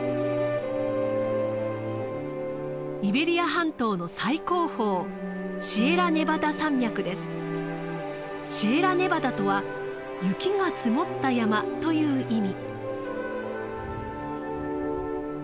イベリア半島の最高峰シエラネバダとは雪が積もった山という意味。